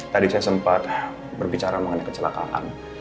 tadi saya sempat berbicara mengenai kecelakaan